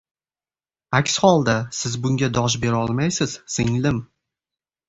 Aks holda, siz bunga dosh berolmaysiz, singlim